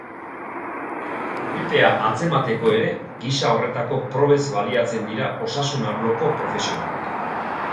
Gripea atzemateko ere, gisa horretako probez baliatzen dira osasun arloko profesionalak.